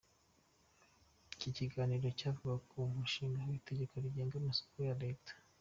Iki kiganiro cyavugaga ku mushinga w’ itegeko rigenga amasoko ya Leta.